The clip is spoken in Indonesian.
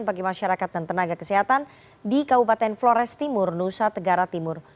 bagi masyarakat dan tenaga kesehatan di kabupaten flores timur nusa tenggara timur